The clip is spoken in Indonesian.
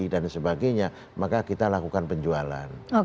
dan sebagainya maka kita lakukan penjualan